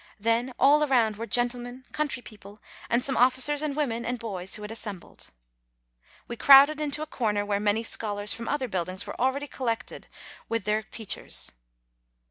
Then all around were gentle men, country people, and some officers and women and boys who had assembled. We crowded into a corner where many scholars from other buildings were already collected with their 240 APRIL teachers.